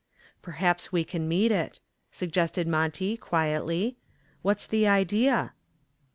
"Perhaps we can meet it," suggested Monty, quietly. "What's the idea?"